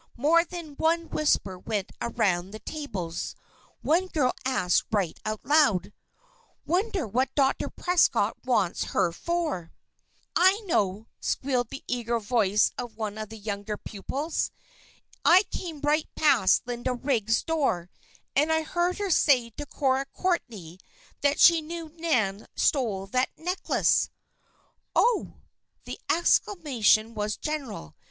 More than one whisper went around the tables. One girl asked right out loud: "Wonder what Dr. Prescott wants her for?" "I know!" squealed the eager voice of one of the younger pupils. "I came right past Linda Riggs' door, and I heard her say to Cora Courtney that she knew Nan stole that necklace!" "Oh!" The exclamation was general.